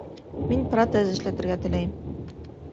Мин протез эшләтергә теләйем